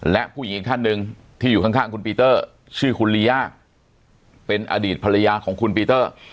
และผู้หญิงอีกท่านหนึ่งที่อยู่ข้างคุณปีเตอร์ชื่อคุณลีย่าเป็นอดีตภรรยาของคุณปีเตอร์